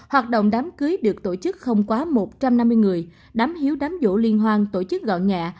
hoạt động đám cưới được tổ chức không quá một trăm năm mươi người đám hiếu đám vỗ liên hoan tổ chức gọn nhẹ